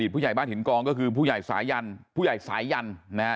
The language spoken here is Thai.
ผู้ใหญ่บ้านหินกองก็คือผู้ใหญ่สายันผู้ใหญ่สายยันนะฮะ